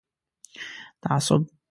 تعصب